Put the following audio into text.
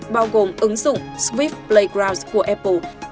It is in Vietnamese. bao gồm ứng dụng swift playground của apple